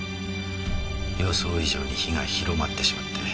予想以上に火が広まってしまって。